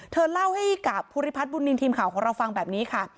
เธอเล่าให้กับภูริพัฒนบุญนินทีมข่าวของเราฟังแบบนี้ค่ะ